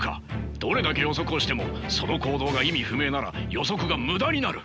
どれだけ予測をしてもその行動が意味不明なら予測が無駄になる。